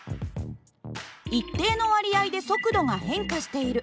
一定の割合で速度が変化している。